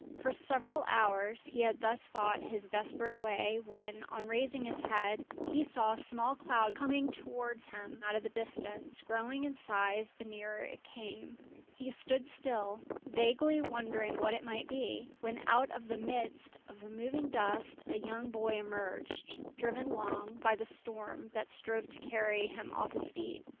For several hours he had thus fought his desperate way, when, on raising his head, he saw a small cloud coming towards him out of the distance, growing in size the nearer it came. He stood still, vaguely wondering what it might be, when out of the midst of the moving dust a young boy emerged, driven along by the storm that strove to carry him off his feet.